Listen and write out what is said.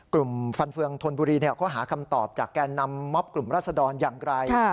ฟันเฟืองธนบุรีเขาหาคำตอบจากแกนนำม็อบกลุ่มรัศดรอย่างไร